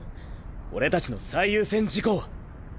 俺たちの最優先事項は！